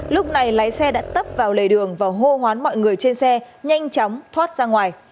lúc này lái xe đã tấp vào lề đường và hô hoán mọi người trên xe nhanh chóng thoát ra ngoài